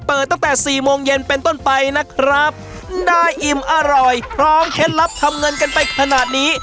ตั้งแต่สี่โมงเย็นเป็นต้นไปนะครับได้อิ่มอร่อยพร้อมเคล็ดลับทำเงินกันไปขนาดนี้